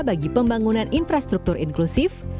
bagi pembangunan infrastruktur inklusif